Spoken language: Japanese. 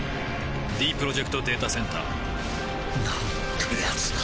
ディープロジェクト・データセンターなんてやつなんだ